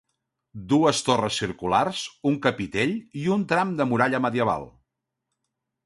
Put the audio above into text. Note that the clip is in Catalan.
Dues torres circulars, un capitell i un tram de muralla medieval.